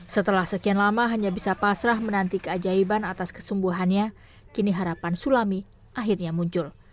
setelah sekian lama hanya bisa pasrah menanti keajaiban atas kesembuhannya kini harapan sulami akhirnya muncul